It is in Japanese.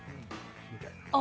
みたいな。